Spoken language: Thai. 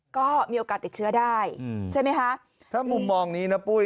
ก็มีโอกาสติดเชื้อได้ใช่ไหมคะถ้ามุมมองนี้นะปุ้ย